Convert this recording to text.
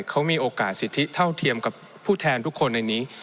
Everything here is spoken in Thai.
เขามีโอกาสสิทธิเท่าเทียมกับผู้แทนทุกคนในนี้